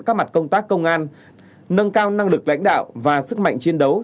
các mặt công tác công an nâng cao năng lực lãnh đạo và sức mạnh chiến đấu